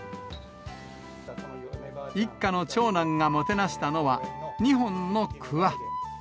一家の長男がもてなしたのは、２本のくわ。